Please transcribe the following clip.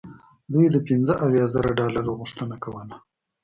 دوی د پنځه اویا زره ډالرو غوښتنه کوله.